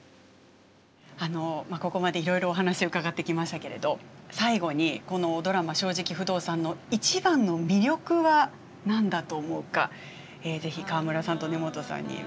ここまでいろいろお話を伺ってきましたけれど最後にこのドラマ「正直不動産」の一番の魅力は何だと思うかぜひ川村さんと根本さんに伺いたいと思うんですが。